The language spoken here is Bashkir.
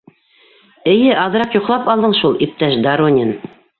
— Эйе, аҙыраҡ йоҡлап алдың шул, иптәш Доронин.